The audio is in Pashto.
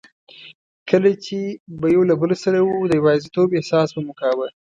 کله چي به یو له بل سره وو، د یوازیتوب احساس به مو کاوه.